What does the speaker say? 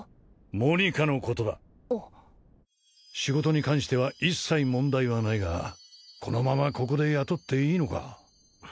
モニカのことだ仕事に関しては一切問題はないがこのままここで雇っていいのか？